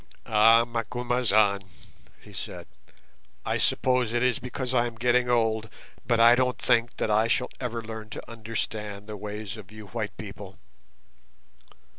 "Ah, Macumazahn," he said, "I suppose it is because I am getting old, but I don't think that I shall ever learn to understand the ways of you white people.